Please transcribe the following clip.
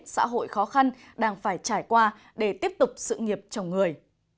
xã hội khó khăn đang phải trải qua để tiếp tục sự nghiệp chồng người